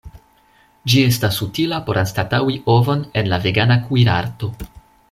Ĝi estas utila por anstataŭi ovon en la vegana kuirarto.